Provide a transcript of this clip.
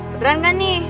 beran kan nih